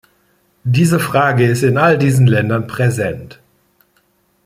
Diese Frage ist in all diesen Ländern präsent.